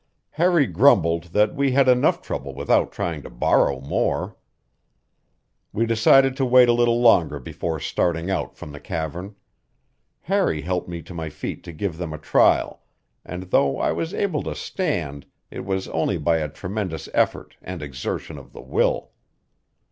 Harry grumbled that we had enough trouble without trying to borrow more. We decided to wait a little longer before starting out from the cavern; Harry helped me to my feet to give them a trial, and though I was able to stand it was only by a tremendous effort and exertion of the will.